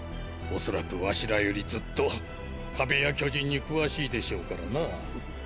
恐らくワシらよりずっと壁や巨人に詳しいでしょうからな。